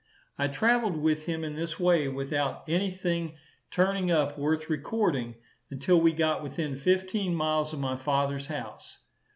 I travelled with him in this way, without any thing turning up worth recording, until we got within fifteen miles of my father's house.